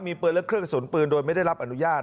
มีปืนและเครื่องกระสุนปืนโดยไม่ได้รับอนุญาต